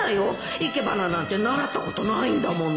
生け花なんて習ったことないんだもの